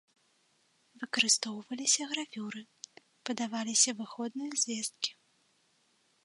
Выкарыстоўваліся гравюры, падаваліся выходныя звесткі.